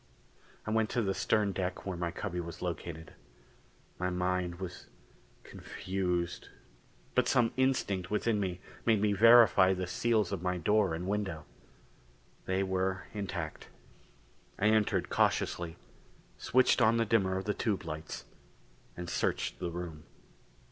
I went to the stern deck where my cubby was located. My mind was confused but some instinct within me made me verify the seals of my door and window. They were intact. I entered cautiously, switched on the dimmer of the tube lights, and searched the room.